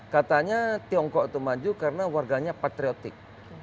katanya tiongkok itu maju karena warganya patriotik